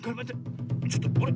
ちょっとあれ？